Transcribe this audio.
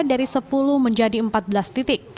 dari sepuluh menjadi empat belas titik